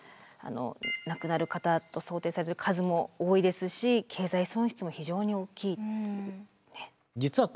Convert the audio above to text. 亡くなる方と想定される数も多いですし経済損失も非常に大きいという。